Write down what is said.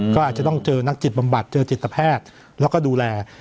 ก็อาจจะต้องเจอนักจิตบำบัดเจอจิตแพทย์แล้วก็ดูแล